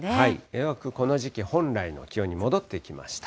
ようやくこの時期本来の気温に戻ってきました。